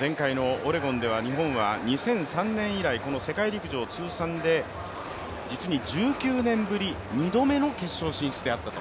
前回のオレゴンでは日本は２００３年以来、この世界陸上通算で実に１９年ぶり２度目の決勝進出であったと。